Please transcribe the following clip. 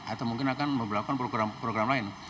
atau mungkin akan membuat program lain